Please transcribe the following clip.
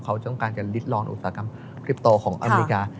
เขาต้องการจะลิดลองอุตสาหกรรมคลิปโตของอเมริกา